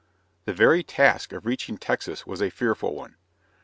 The very task of reaching Texas was a fearful one.